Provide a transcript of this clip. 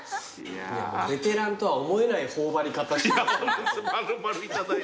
ベテランとは思えない頬張り方した。